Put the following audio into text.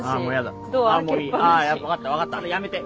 あ分かった分かったやめて。